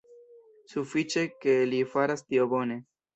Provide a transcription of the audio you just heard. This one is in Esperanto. Sufiĉe ke li faras tio bone.